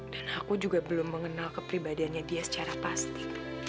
dan aku juga belum mengenal kepribadiannya dia secara pasti